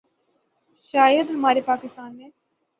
شاید ہمارے پاکستان میں